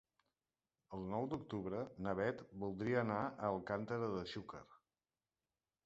El nou d'octubre na Bet voldria anar a Alcàntera de Xúquer.